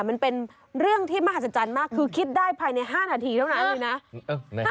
มันเป็นเรื่องที่มหัศจรรย์มากคือคิดได้ภายใน๕นาทีเท่านั้นเลยนะ